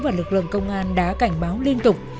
và lực lượng công an đã cảnh báo liên tục